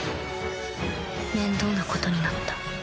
面倒なことになった